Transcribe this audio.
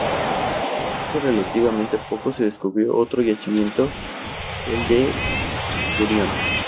Hace relativamente poco se descubrió otro yacimiento, el de Gurión.